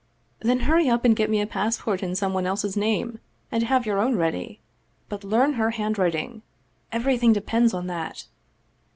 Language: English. " Then hurry up and get me a passport in some one else's name, and have your own ready. But learn her handwriting. Everything depends on that!